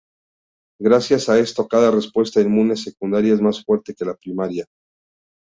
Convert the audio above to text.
Gracias a esto, cada respuesta inmune secundaria es más fuerte que la primaria.